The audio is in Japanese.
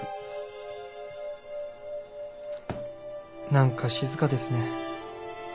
何か静かですね。